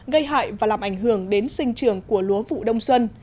gây hại và làm ảnh hưởng đến sinh trường của lúa vụ đông xuân